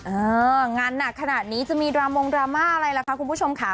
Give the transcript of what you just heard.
เอองานหนักขนาดนี้จะมีดรามงดราม่าอะไรล่ะคะคุณผู้ชมค่ะ